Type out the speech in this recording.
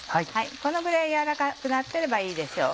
このぐらい軟らかくなってればいいでしょう。